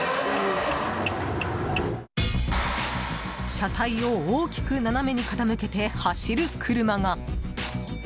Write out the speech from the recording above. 車体を大きく斜めに傾けて走る車が。